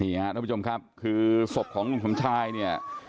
นี่ครับทุกผู้ชมครับคือศพของลูกพี่สำชายเนี่ย